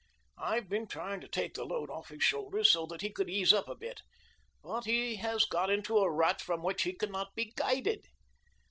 I have been trying to take the load off his shoulders so that he could ease up a bit, but he has got into a rut from which he cannot be guided.